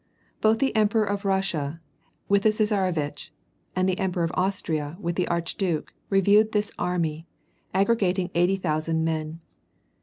Both the Emperor of Russici, with the tsesarevitch, and the Emperor of Austria, with the archduke, reviewed this army, aggregating eighty thousand men.